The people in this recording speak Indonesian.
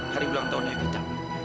hari ulang tahun ya kita